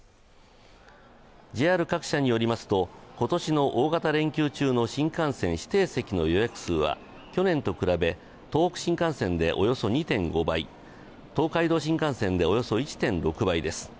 ＪＲ各社によりますと、今年の大型連休中の新幹線指定席の予約数は去年と比べ東北新幹線でおよそ２．５倍東海道新幹線でおよそ１．６倍です。